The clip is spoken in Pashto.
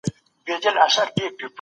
بې نظم خوراک ستونزې جوړوي.